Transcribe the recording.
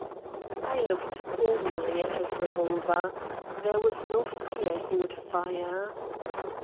I looked calmly at his revolver. There was no fear he would fire.